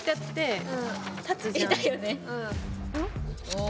お。